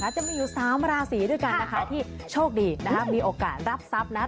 จะมีอยู่ซ้ำราศรีด้วยกันนะคะที่โชคดีนะครับมีโอกาสรับทรัพย์นะครับ